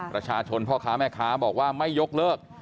ประชาชนพ่อค้าแม่ค้าบอกว่าไม่ยกเลิก